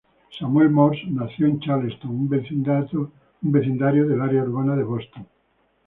Samuel Morse nació en Charlestown, un vecindario del área urbana de Boston.